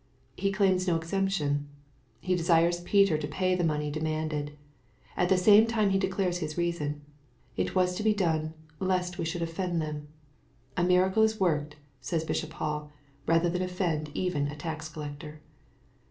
He claims no exemption. He desires Peter to pay the money demanded. At the same time He declares His reasons. It was to be done, ^^ lest we should offend them." " A miracle is worked," says BishopHall, "rather than offend even a tax collector."